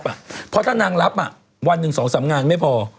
เพราะถ้านางรับวันหนึ่ง๒๓งานไม่พอ